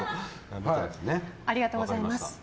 ありがとうございます。